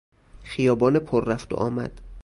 خیابان پر رفت و آمد